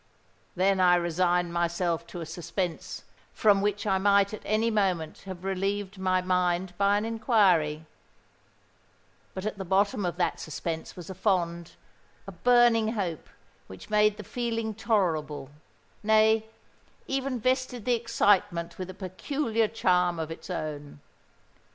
Then I resigned myself to a suspense from which I might at any moment have relieved my mind by an inquiry;—but at the bottom of that suspense was a fond, a burning hope which made the feeling tolerable—nay, even vested the excitement with a peculiar charm of its own.